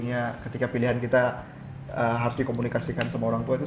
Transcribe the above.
dalam setahun ia berhasil balik modal dan menebus kembali mobil yang menjadi jaminan tersebut